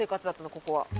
ここは。